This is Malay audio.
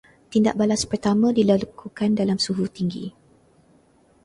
Tindak balas pertama dilakukan dalam suhu tinggi